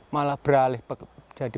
malah beralih jadi